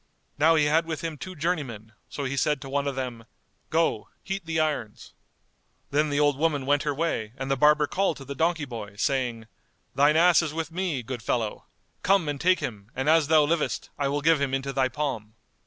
Now he had with him two journeymen, so he said to one of them "Go, heat the irons." Then the old woman went her way and the barber called to the donkey boy,[FN#202] saying, "Thine ass is with me, good fellow! come and take him, and as thou livest, I will give him into thy palm."